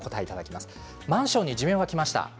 マンションに寿命がきました。